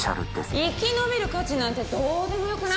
生き延びる価値なんてどうでもよくない？